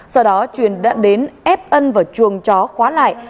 sau đó truyền đã đến ép ân vào chuồng chó khóa lại